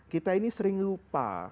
kita ini sering lupa